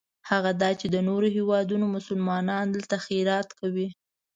هغه دا چې د نورو هېوادونو مسلمانان دلته خیرات کوي.